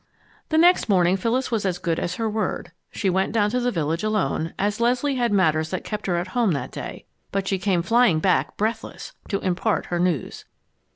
The next morning Phyllis was as good as her word. She went down to the village alone, as Leslie had matters that kept her at home that day. But she came flying back breathless, to impart her news.